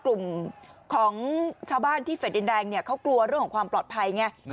กลุ่มของชาวบ้านที่เฟสดินแดงเนี่ยเขากลัวเรื่องของความปลอดภัยไง